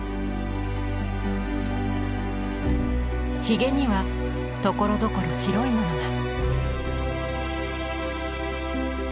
ひげにはところどころ白いものが。